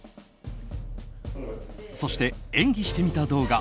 そして、演技してみた動画